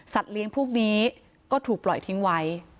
เลี้ยงพวกนี้ก็ถูกปล่อยทิ้งไว้